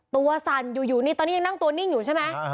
สั่นอยู่นี่ตอนนี้ยังนั่งตัวนิ่งอยู่ใช่ไหม